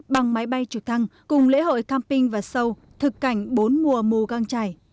bằng máy bay trực thăng cùng lễ hội camping và sâu thực cảnh bốn mùa mù căng trải